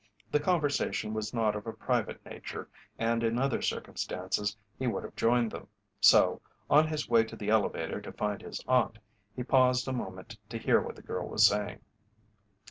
The conversation was not of a private nature and in other circumstances he would have joined them, so, on his way to the elevator to find his aunt, he paused a moment to hear what the girl was saying.